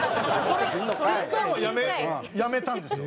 いったんはやめたんですよ